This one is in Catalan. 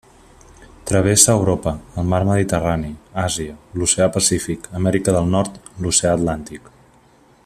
Travessa Europa, el Mar Mediterrani, Àsia, l'Oceà Pacífic, Amèrica del Nord l'oceà Atlàntic.